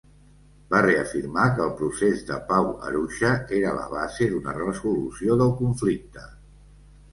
Va reafirmar que el procés de pau Arusha era la base d'una resolució del conflicte.